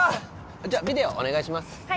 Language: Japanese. じゃビデオお願いします